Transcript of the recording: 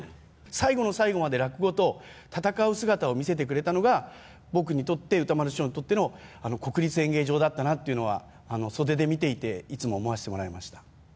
最後の最後まで、落語と戦う姿を見せてくれたのが、僕にとって歌丸師匠にとっての国立演芸場だったなというのは、袖で見ていて、いつも思わせてもらいました。